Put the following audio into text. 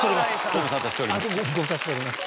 ご無沙汰しております。